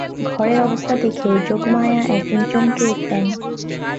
ঘরের অবস্থা দেখে যোগমায়া একদিন চমকে উঠলেন।